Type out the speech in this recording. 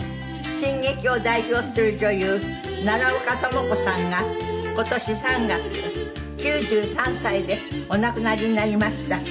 新劇を代表する女優奈良岡朋子さんが今年３月９３歳でお亡くなりになりました。